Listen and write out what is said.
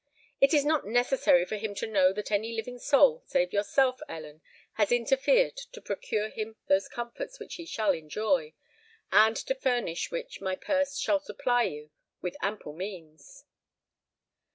It is not necessary for him to know that any living soul save yourself, Ellen, has interfered to procure him those comforts which he shall enjoy, and to furnish which my purse shall supply you with ample means."